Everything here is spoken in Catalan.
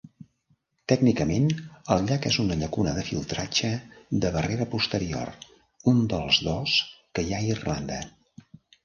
Tècnicament el llac és una llacuna de filtratge de barrera posterior, un dels dos que hi ha a Irlanda.